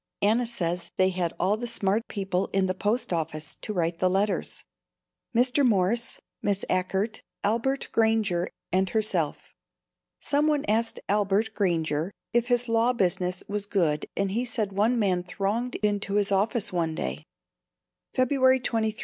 Anna says they had all the smart people in the post office to write the letters, Mr. Morse, Miss Achert, Albert Granger and herself. Some one asked Albert Granger if his law business was good and he said one man thronged into his office one day. February 23.